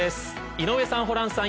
井上さん、ホランさん